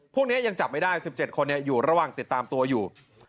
พวกนี้ยังจับไม่ได้๑๗คนอยู่ระหว่างติดตามตัวอยู่